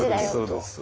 そうです